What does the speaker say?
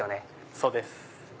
そうです。